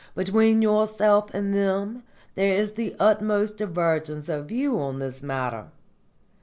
Between yourself and them there is the utmost divergence of view on this matter.